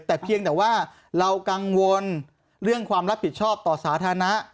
แต่เพียงแต่ว่าเรากังวลเรื่องความรับผิดชอบต่อสาธารณะ